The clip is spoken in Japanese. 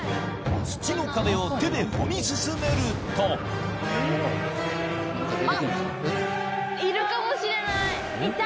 土の壁を手で掘り進めるといた！